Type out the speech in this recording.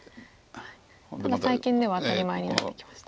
ただ最近では当たり前になってきました。